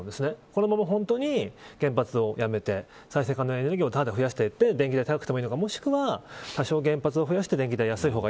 このまま原発をやめて再生可能エネルギーを増やしていって電気代が高くてもいいのか多少原発を増やして電気代を減らすのか